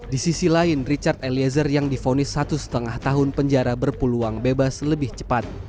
di sisi lain richard eliezer yang difonis satu lima tahun penjara berpeluang bebas lebih cepat